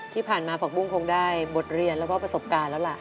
ที่ผ่านมาผักบุ้งคงได้บทเรียนแล้วก็ประสบการณ์แล้วล่ะ